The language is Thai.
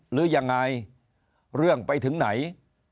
หรือยังไงเรื่องไปถึงไหน